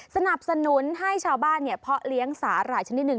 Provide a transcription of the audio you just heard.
สนับสนุนให้ชาวบ้านเพาะเลี้ยงสาหร่ายชนิดหนึ่ง